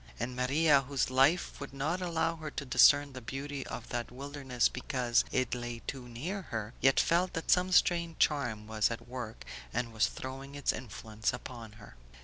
And Maria, whose life would not allow her to discern the beauty of that wilderness because it lay too near her, yet felt that some strange charm was at work and was throwing its influence about her.